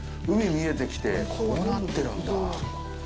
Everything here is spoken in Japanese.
海が見えてきて、こうなってるんだ。